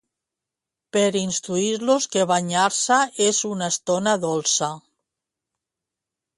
Per instruir-los que banyar-se és una estona dolça.